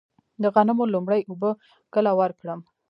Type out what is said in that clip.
د غنمو لومړۍ اوبه کله ورکړم؟